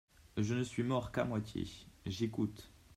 Je ne suis mort qu'à moitié : j'écoute.